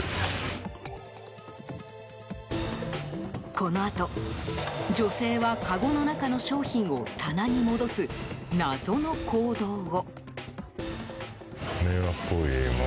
このあと、女性はかごの中の商品を棚に戻す謎の行動を。